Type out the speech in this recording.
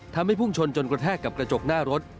พุ่งชนจนกระแทกกับกระจกหน้ารถ